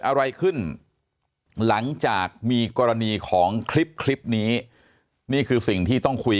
อะไรขึ้นหลังจากมีกรณีของคลิปคลิปนี้นี่คือสิ่งที่ต้องคุย